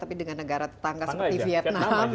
tapi dengan negara tetangga seperti vietnam